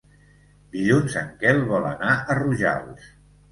Dilluns en Quel vol anar a Rojals.